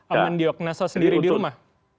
aman diognasa sendiri di rumah